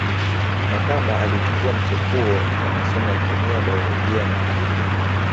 Makamba alichukua mchepuo wa masomo ya kemia baiolojia na kilimo